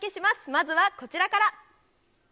まずはこちらから。